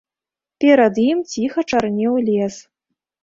Перад ім ціха чарнеў лес.